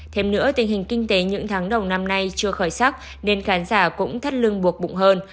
thêm nữa tình hình kinh tế những tháng đầu năm nay chưa khởi sắc nên khán giả cũng thất lưng buộc bụng hơn